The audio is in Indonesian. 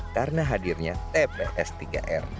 karena hadirnya tps tiga r